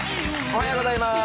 おはようございます。